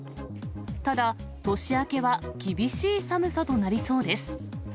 ただ、年明けは厳しい寒さとなりそうです。